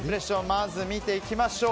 まず、見ていきましょう。